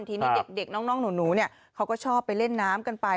ทีนี้เด็กน้องหนูเขาก็ชอบไปเล่นน้ำกันไป